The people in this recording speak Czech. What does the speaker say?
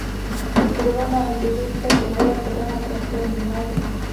Studoval na jezuitské koleji a poté na pražském gymnáziu.